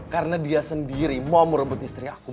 karena dia sendiri mau merebut istri aku